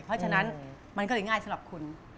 เพราะฉะนั้นมันก็เลยง่ายสำหรับคุณ